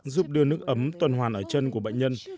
giúp đưa nước ấm tuần hoàn ở chân của bệnh nhân